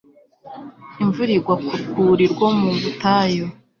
Imvura igwa ku rwuri rwo mu butayu